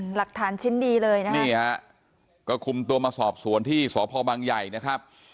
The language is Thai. หลักฐานชิ้นดีเลยนะคะนี่ฮะก็คุมตัวมาสอบสวนที่สพบังใหญ่นะครับ